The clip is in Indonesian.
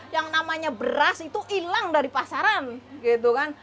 yang namanya beras itu hilang dari pasaran gitu kan